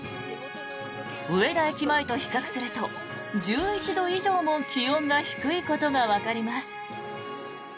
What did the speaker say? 上田駅前と比較すると１１度以上も気温が低いことがわかります。